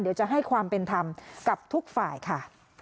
เดี๋ยวจะให้ความเป็นธรรมกับทุกฝ่ายค่ะ